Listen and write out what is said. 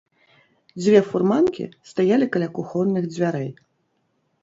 Дзве фурманкі стаялі каля кухонных дзвярэй.